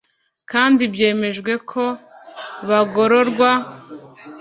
kandi byemejwe ko bagororwa